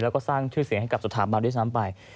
แล้วก็สร้างชื่อเสียงให้กับสถาบันด้วยซ้ำไป